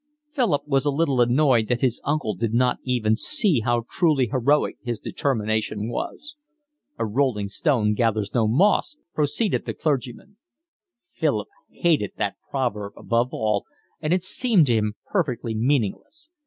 Philip was a little annoyed that his uncle did not even see how truly heroic his determination was. "'A rolling stone gathers no moss,'" proceeded the clergyman. Philip hated that proverb above all, and it seemed to him perfectly meaningless.